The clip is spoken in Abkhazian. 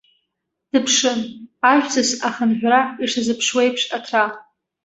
Дыԥшын, ажәҵыс ахынҳәра ишазыԥшуеиԥш аҭра.